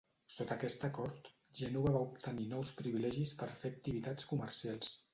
Sota aquest acord, Gènova va obtenir nous privilegis per fer activitats comercials.